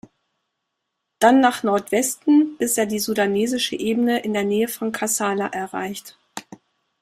Dann nach Nordwesten bis er die sudanesische Ebene in der Nähe von Kassala erreicht.